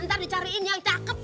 ntar dicariin yang cakep